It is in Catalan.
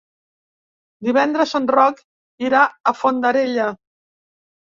Divendres en Roc irà a Fondarella.